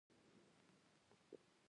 د زندان يوه ساتونکي يو ور خلاص کړ.